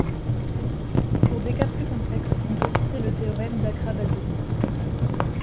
Pour des cas plus complexe on peut citer le théorème d'Akra-Bazzi.